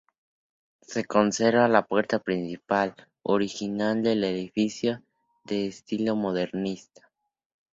Se conserva la puerta principal original del edificio, de estilo modernista.